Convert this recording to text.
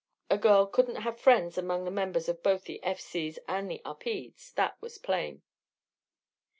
A girl couldn't have friends among the members of both the F. C.'s and the Upedes that was plain.